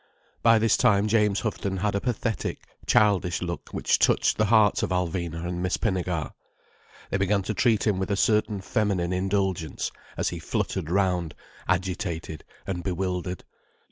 By this time James Houghton had a pathetic, childish look which touched the hearts of Alvina and Miss Pinnegar. They began to treat him with a certain feminine indulgence, as he fluttered round, agitated and bewildered.